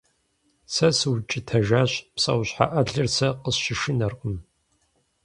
Сэ сыукӀытэжащ: псэущхьэ Ӏэлыр сэ къысщышынэркъым.